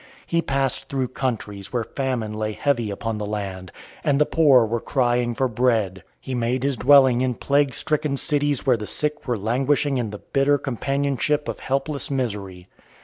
He passed through countries where famine lay heavy upon the land, and the poor were crying for bread. He made his dwelling in plague stricken cities where the sick were languishing in the bitter companionship of helpless misery.